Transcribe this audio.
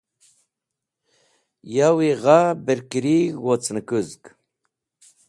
Yawi gha bẽrkurig̃h wocnẽkũzg.